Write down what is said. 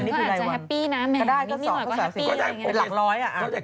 นี่แต่วันหยุดก็ไม่ได้ใช่ไหม